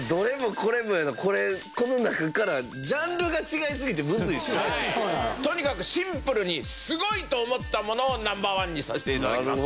これこの中からジャンルが違いすぎてむずいしねとにかくシンプルにすごいと思ったものをナンバー１にさしていただきますなるほど